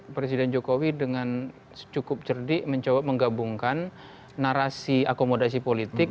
presiden jokowi dengan cukup cerdik mencoba menggabungkan narasi akomodasi politik